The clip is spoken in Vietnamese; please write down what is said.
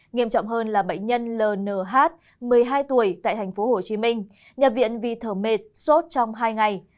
nghiêm trọng hơn là bệnh nhân lnh một mươi hai tuổi tại tp hcm nhà viện vì thở mệt sốt trong hai ngày